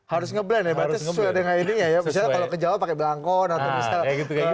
harus ngeblend ya berarti sesuai dengan ini ya ya misalnya kalau ke jawa pakai belangkot atau misalnya